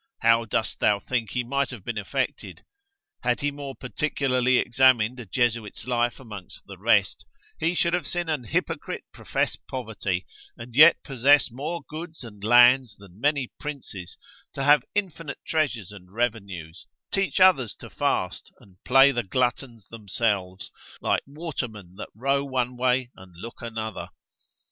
How dost thou think he might have been affected? Had he more particularly examined a Jesuit's life amongst the rest, he should have seen an hypocrite profess poverty, and yet possess more goods and lands than many princes, to have infinite treasures and revenues; teach others to fast, and play the gluttons themselves; like watermen that row one way and look another.